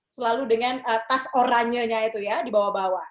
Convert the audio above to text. selalu dengan tas oranye nya itu ya di bawah bawah